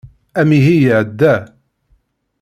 Amihi iεedda.